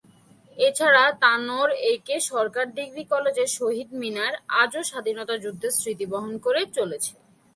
এছাড়া Tanore A K Sarkar degree কলেজের "শহীদ মিনার" আজও স্বাধীনতা যুদ্ধের স্মৃতি বহন করে চলেছে।